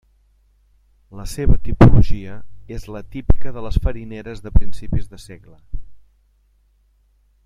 La seva tipologia és la típica de les farineres de principis de segle.